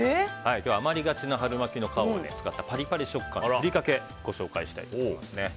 余りがちな春巻きの皮を使ったパリパリ食感のふりかけをご紹介したいと思います。